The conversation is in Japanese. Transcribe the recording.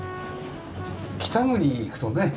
北国に行くとね。